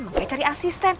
makanya cari asisten